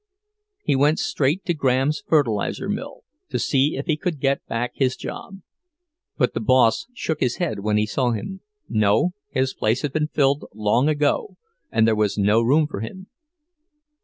He went straight to Graham's fertilizer mill, to see if he could get back his job. But the boss shook his head when he saw him—no, his place had been filled long ago, and there was no room for him.